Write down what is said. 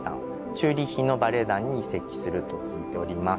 チューリッヒのバレエ団に移籍すると聞いております。